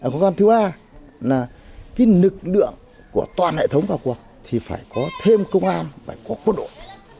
công an thứ ba là cái lực lượng của toàn hệ thống vào cuộc thì phải có thêm công an phải có quân đội